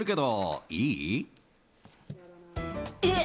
え？